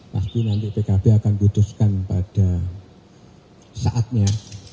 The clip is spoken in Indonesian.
pasti p k b akan berputuskan pada saatnya